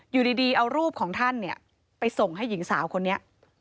อยู่ดีเอารูปของท่านเนี่ยไปส่งให้หญิงสาวคนนี้